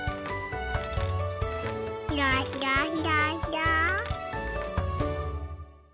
ひらひらひらひら。